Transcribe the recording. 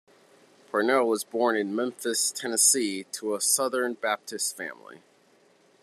Parnell was born in Memphis, Tennessee, to a Southern Baptist family.